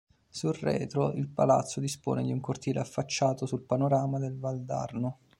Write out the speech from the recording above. Sul retro il palazzo dispone di un cortile affacciato sul panorama del Valdarno.